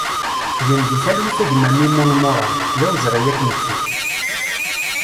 Gen di talwit a gma Mimun Murad, d awezɣi ad k-nettu!